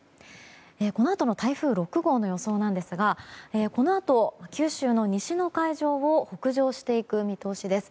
このあとの台風６号の予想ですがこのあと、九州の西の海上を北上していく見通しです。